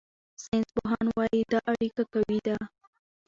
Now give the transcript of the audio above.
ساینسپوهان وايي دا اړیکه قوي ده.